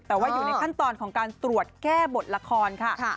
แต่ว่าอยู่ในขั้นตอนของการตรวจแก้บทละครค่ะ